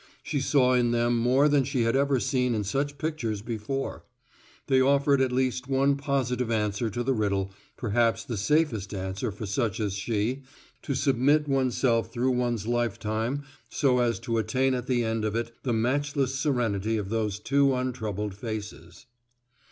She saw in them more than she had ever seen in such pictures before. They offered at least one positive answer to the riddle, perhaps the safest answer for such as she to submit oneself through one's lifetime so as to attain at the end of it the matchless serenity of those two untroubled faces.